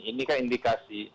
ini kan indikasi